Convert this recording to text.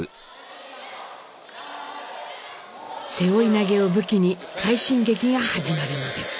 背負い投げを武器に快進撃が始まるのです。